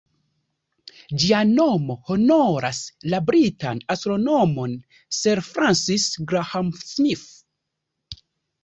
Ĝia nomo honoras la britan astronomon Sir Francis Graham-Smith.